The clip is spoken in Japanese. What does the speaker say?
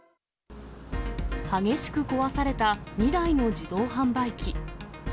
激しく壊された２台の自動販売機。